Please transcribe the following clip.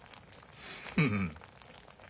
フフッ。